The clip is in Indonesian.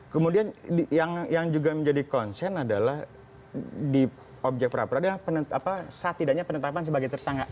kemudian yang juga menjadi konsen adalah di objek prapradino saat tidaknya penetapan sebagai tersanggah